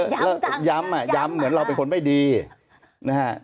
ย้ำจังย้ำมะย้ำเหมือนเรามันเป็นคนไม่ดีนะฮะ